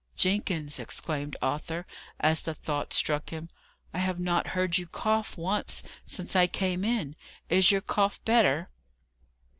"Jenkins!" exclaimed Arthur, as the thought struck him: "I have not heard you cough once since I came in! Is your cough better!"